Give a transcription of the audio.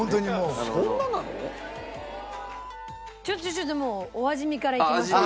ちょっともうお味見からいきましょう。